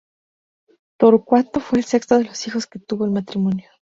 Torcuato fue el sexto de los hijos que tuvo el matrimonio.